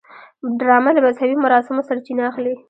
ډرامه له مذهبي مراسمو سرچینه اخلي